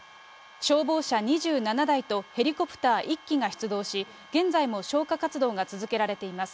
消防車２７台とヘリコプター１機が出動し、現在も消火活動が続けられています。